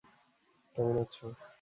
কেমন আছো?